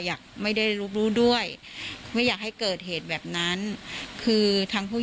อยากไม่ได้รู้ด้วยไม่อยากให้เกิดเหตุแบบนั้นคือทางผู้